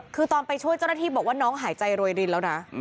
คือตอนไปช่วยเจ้าหน้าที่บอกว่าน้องหายใจโรยรินแล้วนะ